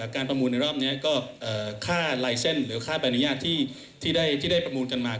การประมูลในรอบนี้ก็ค่าไลเซ็นต์หรือค่าบรรยายที่ได้ประมูลกันมา